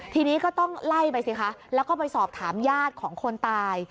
ทีนี้ก็ต้องไล่ไปสิคะแล้วก็ไปสอบถามญาติของคนตาย